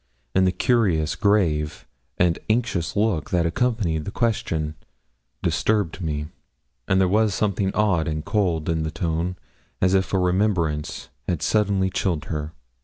and the curious, grave, and anxious look that accompanied the question, disturbed me; and there was something odd and cold in the tone as if a remembrance had suddenly chilled her.